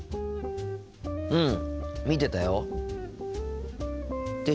うん見てたよ。って